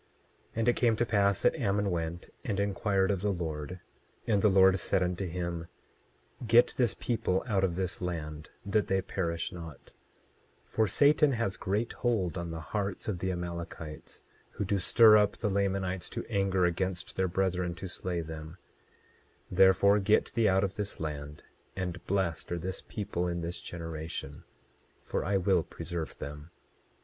27:11 And it came to pass that Ammon went and inquired of the Lord, and the Lord said unto him: 27:12 Get this people out of this land, that they perish not; for Satan has great hold on the hearts of the Amalekites, who do stir up the Lamanites to anger against their brethren to slay them; therefore get thee out of this land; and blessed are this people in this generation, for I will preserve them.